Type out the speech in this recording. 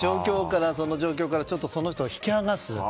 その状況から、その人を引き離す。